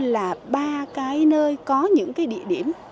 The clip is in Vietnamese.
là ba nơi có những địa điểm